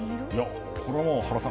これは原さん